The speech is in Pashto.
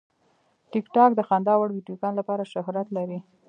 ټیکټاک د خندا وړ ویډیوګانو لپاره شهرت لري.